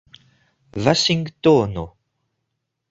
vaŝingtono